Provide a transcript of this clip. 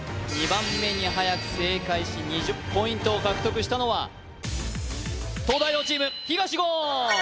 ２番目にはやく正解し２０ポイントを獲得したのは東大王チーム東言！